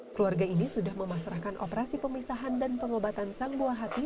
keluarga ini sudah memasrahkan operasi pemisahan dan pengobatan sang buah hati